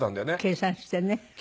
計算してね。